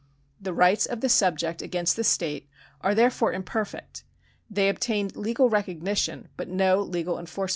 The rights of the subject against the state are therefore imper fect. They obtain legal recognition but no legal enforcement.